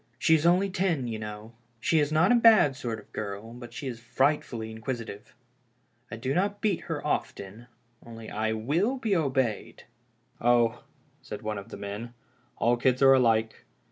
She is only ten, you know. She is not a bad sort of a girl, but she is frightfully inquisitive. I do not beat her often, only I will be obeyed." " Oh," said one of the men, " all kids are alike.